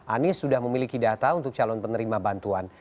anies sudah memiliki data untuk calon penerima bantuan